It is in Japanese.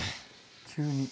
急に。